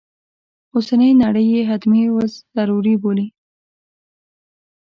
اوسنی نړی یې حتمي و ضروري بولي.